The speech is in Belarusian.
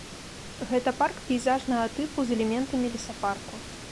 Гэта парк пейзажнага тыпу з элементамі лесапарку.